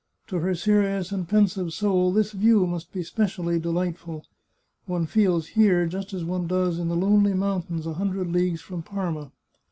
To her serious and pensive soul this view must be specially de lightful. One feels here just as one does in the lonely mountains a hundred leagues from Parma."